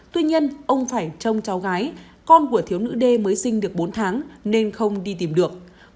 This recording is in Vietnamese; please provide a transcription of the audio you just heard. tuy nhiên ông phải trông cháu gái con của thiếu nữ d mới sinh được bốn tháng nên không đi tìm được